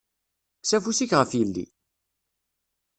Kkes afus-ik ɣef yelli!